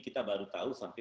kita baru tahu sampai